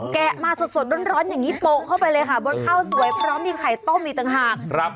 แกะมาสดร้อนอย่างนี้โปะเข้าไปเลยค่ะบนข้าวสวยพร้อมมีไข่ต้มอีกต่างหาก